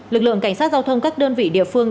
lực lượng cảnh sát giao thông các đơn vị địa phương